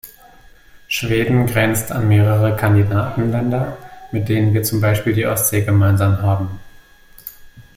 Schweden grenzt an mehrere Kandidatenländer, mit denen wir zum Beispiel die Ostsee gemeinsam haben.